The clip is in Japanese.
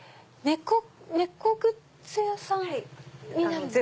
猫グッズ屋さんになるんですか？